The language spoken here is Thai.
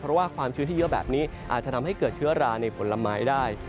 เพราะว่าความชื้นที่เยอะแบบนี้อาจจะทำให้เกิดเชื้อราในผลไม้ได้